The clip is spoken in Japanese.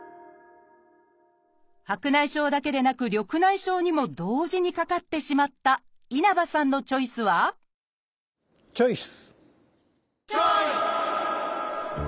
白内障だけでなく緑内障にも同時にかかってしまった稲葉さんのチョイスはチョイス！